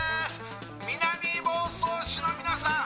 南房総市のみなさん